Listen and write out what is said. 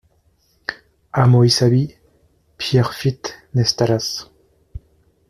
Hameau Isaby, Pierrefitte-Nestalas